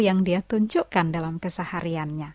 yang dia tunjukkan dalam kesehariannya